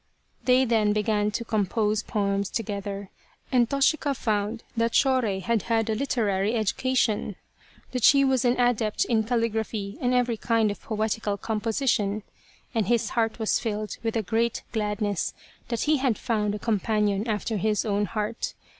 They then began to compose poems together, and Toshika found that Shorei had had a literary educa tion, that she was an adept in calligraphy and every kind of poetical composition. And his heart was filled with a great gladness that he had found a com panion after his own heart.